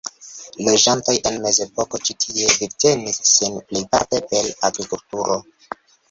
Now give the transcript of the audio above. Loĝantoj en mezepoko ĉi tie vivtenis sin plejparte per agrikulturo.